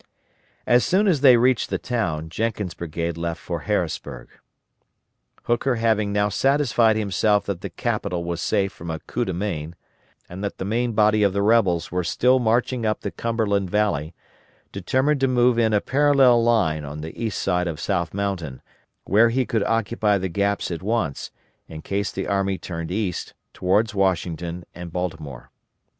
As soon as they reached the town, Jenkins' brigade left for Harrisburg. Hooker having now satisfied himself that the Capital was safe from a coup de main, and that the main body of the rebels were still marching up the Cumberland Valley, determined to move in a parallel line on the east side of South Mountain, where he could occupy the gaps at once, in case the enemy turned east, toward Washington and Baltimore.